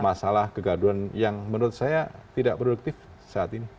masalah kegaduan yang menurut saya tidak produktif saat ini